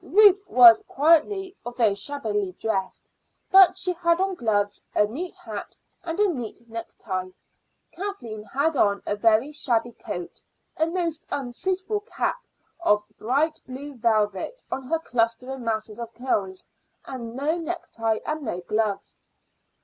Ruth was quietly although shabbily dressed; but she had on gloves, a neat hat, and a neat necktie. Kathleen had on a very shabby coat, a most unsuitable cap of bright blue velvet on her clustering masses of curls, and no necktie and no gloves.